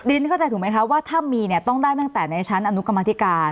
เข้าใจถูกไหมคะว่าถ้ามีเนี่ยต้องได้ตั้งแต่ในชั้นอนุกรรมธิการ